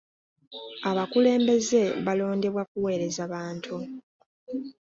Abakulembeze balondebwa kuweereza bantu.